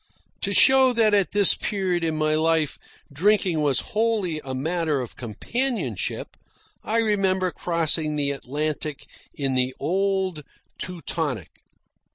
To show that at this period in my life drinking was wholly a matter of companionship, I remember crossing the Atlantic in the old Teutonic.